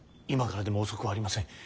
今からでも遅くはありません。